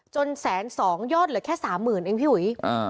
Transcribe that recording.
จนแสน๒ยอดเหลือแค่๓๐๐๐๐บาทเองพี่หุย